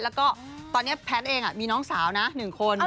แล้วก็ตอนนี้แพทย์เองมีน้องสาวนะ๑คน